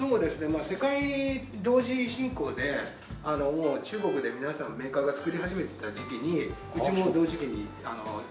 まあ世界同時進行で中国で皆さんメーカーが作り始めてた時期にうちも同時期に中国で。